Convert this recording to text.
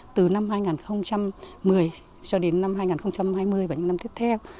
từ năm hai nghìn một mươi cho đến năm hai nghìn hai mươi và những năm tiếp theo